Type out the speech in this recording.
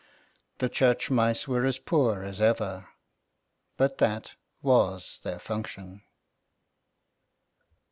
The church mice were as poor as ever. But that was their function.